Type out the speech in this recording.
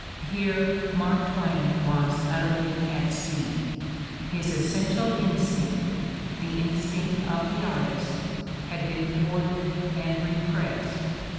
Here Mark Twain was utterly at sea. His essential instinct, the instinct of the artist, had been thwarted and repressed.